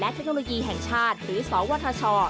เทคโนโลยีแห่งชาติหรือสวทช